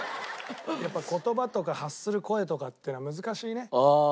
やっぱ言葉とか発する声とかっていうのは難しいね。